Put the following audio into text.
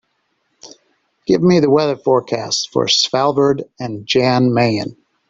Give me the weather forecast for Svalbard and Jan Mayen